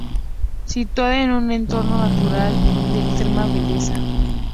Situada en un entorno natural de extrema belleza.